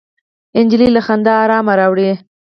نجلۍ له خندا ارام راوړي.